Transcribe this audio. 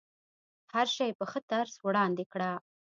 هر شی په ښه طرز وړاندې کړه.